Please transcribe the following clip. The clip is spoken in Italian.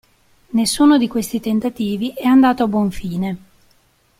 Nessuno di questi tentativi è andato a buon fine.